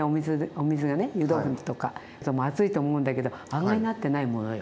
湯豆腐とか熱いと思うんだけど案外なってないものよ。